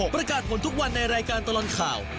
ประกาศผลทุกวันในรายการตลอดข่าว